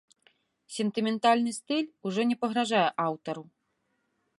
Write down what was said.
Сентыментальны стыль ужо не пагражае аўтару.